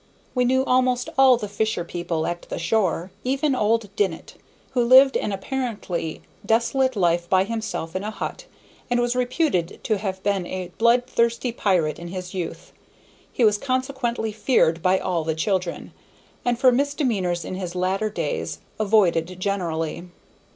We knew almost all the fisher people at the shore, even old Dinnett, who lived an apparently desolate life by himself in a hut and was reputed to have been a bloodthirsty pirate in his youth. He was consequently feared by all the children, and for misdemeanors in his latter days avoided generally.